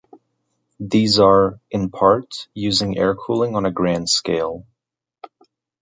These are, in part, using air cooling on a grand scale.